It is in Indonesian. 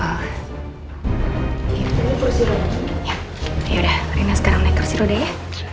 ya udah rina sekarang naik kursi roda ya